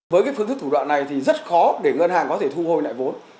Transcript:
với cái phương thức thủ đoạn này thì rất khó để ngân hàng có thể thu hồi lại vốn